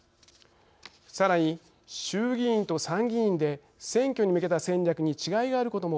さらに、衆議院と参議院で選挙に向けた戦略に違いがあることも